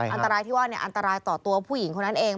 อันตรายที่ว่าอันตรายต่อตัวผู้หญิงคนนั้นเอง